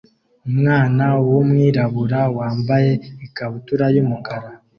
Umwana wumwirabura wambaye ikabutura yumukara